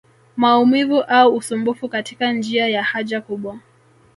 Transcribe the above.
Maumivu au usumbufu katika njia ya haja kubwa